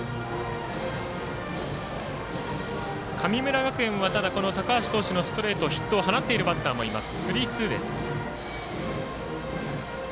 神村学園はこの高橋投手のストレートヒットを放っているバッターもいます。